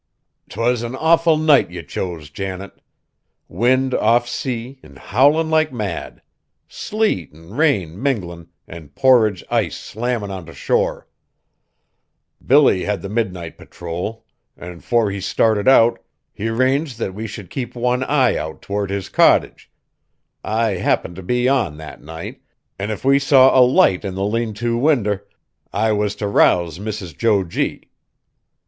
"'T was an awful night ye chose, Janet. Wind off sea, an' howlin' like mad. Sleet an' rain minglin', an' porridge ice slammin' ont' shore! Billy had the midnight patrol, an' fore he started out, he 'ranged that we should keep one eye out toward his cottage, I happened t' be on that night, an' if we saw a light in the lean to winder, I was t' rouse Mrs. Jo G.